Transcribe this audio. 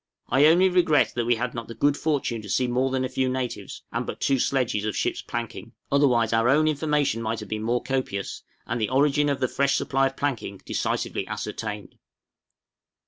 I only regret that we had not the good fortune to see more than a few natives, and but two sledges of ship's planking; otherwise our own information might have been more copious, and the origin of the fresh supply of planking decisively ascertained.